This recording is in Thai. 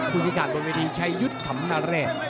คู่ที่ขาดบนวิธีชัยยุทธ์ถำนาเรท